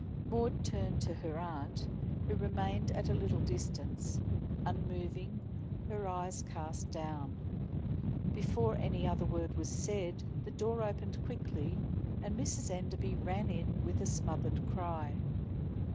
Maud turned to her aunt, who remained at a little distance, unmoving, her eyes cast down. Before any other word was said, the door opened quickly, and Mrs. Enderby ran in with a smothered cry.